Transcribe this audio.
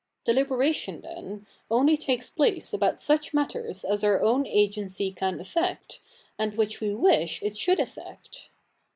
Deliberation, then, only takes place about such matters as our owfi agency can effect, and which ive wish it should effect.